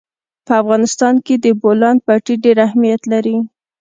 په افغانستان کې د بولان پټي ډېر اهمیت لري.